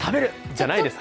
じゃないですか？